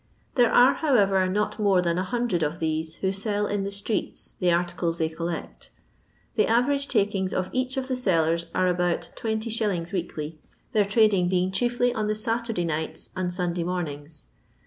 There are, however, not more than 100 of these who sdl in the streets the artides they collect; the aversge takings of each of the sdlen are about 20t. weekly, their trading being chiefly on the Saturday nights and Sunday mornings.